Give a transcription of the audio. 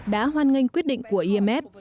đã hoan nghênh quyết định của imf